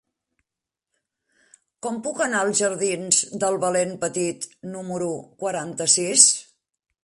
Com puc anar als jardins del Valent Petit número quaranta-sis?